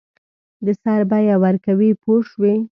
د سر بیه ورکوي پوه شوې!.